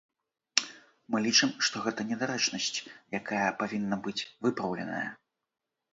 Мы лічым, што гэта недарэчнасць, якая павінна быць выпраўленая.